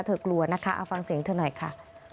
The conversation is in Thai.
กลัวนะคะเอาฟังเสียงเธอหน่อยค่ะ